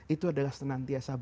itu adalah senantiasa berkata